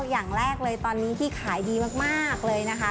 อย่างแรกเลยตอนนี้ที่ขายดีมากเลยนะคะ